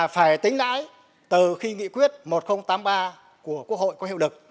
phải tính lãi từ khi nghị quyết một nghìn tám mươi ba của quốc hội có hiệu lực